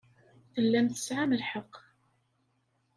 Tellam tesɛam lḥeqq.